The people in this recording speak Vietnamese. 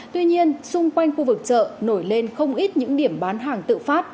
tuy nhiên xung quanh khu vực chợ nổi lên không ít những điểm bán hàng tự phát